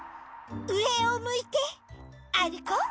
うえをむいてあるこう！